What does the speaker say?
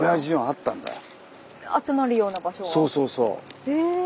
そうそうそう。